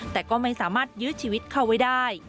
แต่ก็ไม่สามารถยื้อชีวิตเข้าไว้ได้